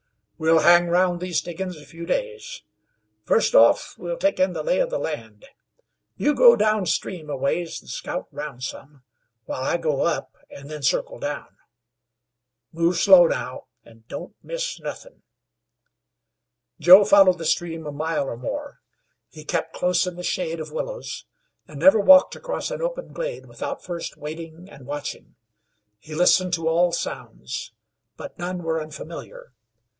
"We'll hang round these diggins a few days. First off, we'll take in the lay of the land. You go down stream a ways an' scout round some, while I go up, an' then circle down. Move slow, now, an' don't miss nothin'." Joe followed the stream a mile or more. He kept close in the shade of willows, and never walked across an open glade without first waiting and watching. He listened to all sounds; but none were unfamiliar.